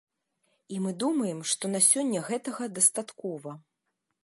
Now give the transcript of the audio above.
І мы думаем, што на сёння гэтага дастаткова.